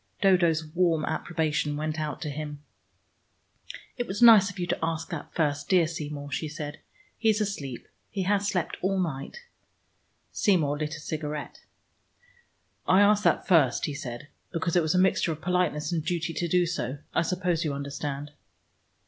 Dodo's warm approbation went out to him. "It was nice of you to ask that first, dear Seymour," she said. "He is asleep: he has slept all night." Seymour lit a cigarette. "I asked that first," he said, "because it was a mixture of politeness and duty to do so. I suppose you understand."